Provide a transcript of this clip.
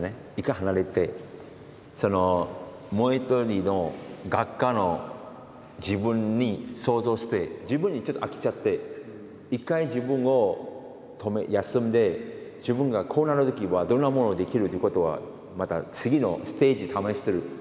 そのもう一人の画家の自分に想像して自分にちょっと飽きちゃって一回自分を休んで自分がこうなる時はどんなものできるということはまた次のステージ試してる。